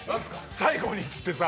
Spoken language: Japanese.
最後にって言ってさ。